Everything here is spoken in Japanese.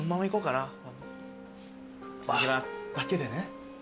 だけでね。